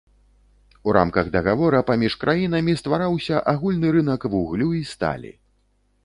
У рамках дагавора паміж краінамі ствараўся агульны рынак вуглю і сталі.